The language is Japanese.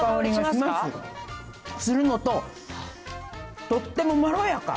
するのと、とってもまろやか。